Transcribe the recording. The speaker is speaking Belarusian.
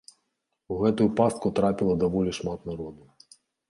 У гэтую пастку трапіла даволі шмат народу.